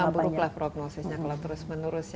buruklah prognosisnya kalau terus menerus